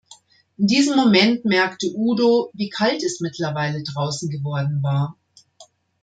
In diesem Moment merkte Udo, wie kalt es mittlerweile draußen geworden war.